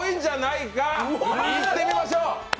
いってみましょう。